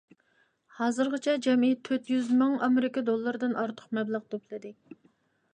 ھازىرغىچە جەمئىي تۆت يۈز مىڭ ئامېرىكا دوللىرىدىن ئارتۇق مەبلەغ توپلىدى.